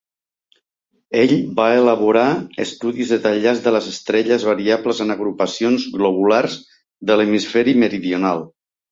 Ell va elaborar estudis detallats de les estrelles variables en agrupacions globulars de l'hemisferi meridional.